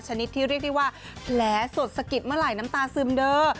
ชนิดที่เรียกได้ว่าแผลสดสกิดมาหล่ายน้ำตาซึมเดอร์